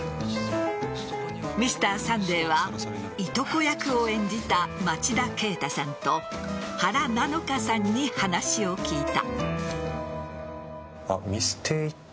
「Ｍｒ．サンデー」はいとこ役を演じた町田啓太さんと原菜乃華さんに話を聞いた。